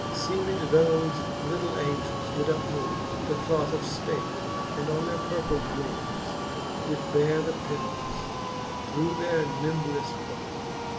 XXIX. Seemed thofe litle Angels did uphold The cloth of flate, and on their purpled wings Did beare the pendants, through their nimbleile bold.